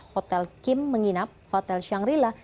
hotel kim menginap hotel shangri la